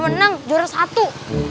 menang juara satu